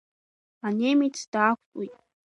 Анемец даақәтәоит.